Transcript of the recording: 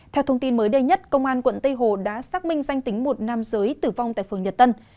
theo thông tin mới đây nhất công an quận tây hồ đã xác minh danh tính một nam giới tử vong tại phường nhật tân